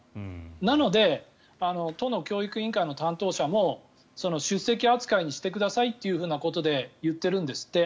なので都の教育委員会の担当者も出席扱いにしてくださいということで言っているんですって。